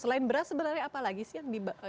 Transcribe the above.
selain beras sebenarnya apa lagi sih yang